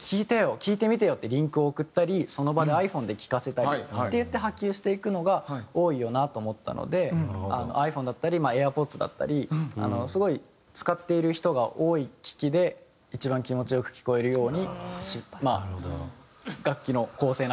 聴いてみてよ」ってリンクを送ったりその場でｉＰｈｏｎｅで聴かせたりっていって波及していくのが多いよなと思ったのでｉＰｈｏｎｅだったりまあＡｉｒＰｏｄｓだったりすごい使っている人が多い機器で一番気持ち良く聴こえるように楽器の構成などは練りました。